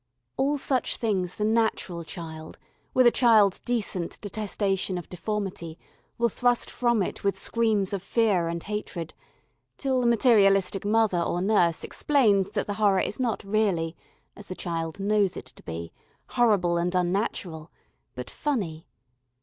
All such things the natural child, with a child's decent detestation of deformity, will thrust from it with screams of fear and hatred, till the materialistic mother or nurse explains that the horror is not really, as the child knows it to be, horrible and unnatural, but "funny."